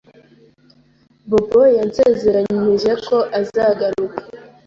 Bobo yansezeranije ko azagaruka.